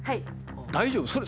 大丈夫？